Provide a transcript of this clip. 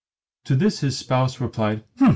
To this his spouse replied "Hm!"